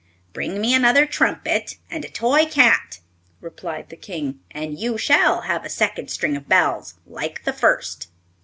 "Bring me another trumpet and a toy cat," replied the King, "and you shall have a second string of bells like the first."